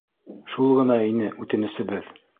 Шул ғына ине үтенесебеҙ!